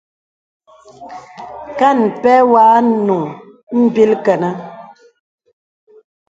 Kàn pɛ̂ wɔ̄ ànùŋ mbìl kənə.